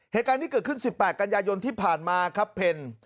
เหตุการณ์นี้เกิดขึ้น๑๘กันยายนที่ผ่านมาครับเพล